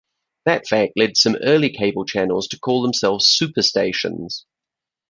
That fact led some early cable channels to call themselves superstations.